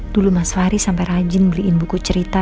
dulu mas fahri sampai rajin beliin buku cerita